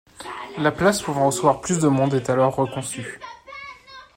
La place pouvant recevoir plus de monde est alors reconçue.